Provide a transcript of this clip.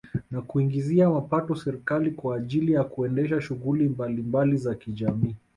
Na kuiingizia mapato serikali kwa ajili ya kuendesha shughuli mbalimbali za kijamiii